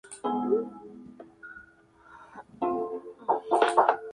En esta fábrica se producía y procesaba vidrio automotriz para el mercado de repuestos.